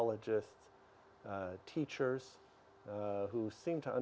saya bisa berkumpul dengan rakan sekolah